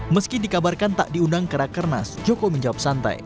meski dikabarkan tak diundang ke rakernas joko menjawab santai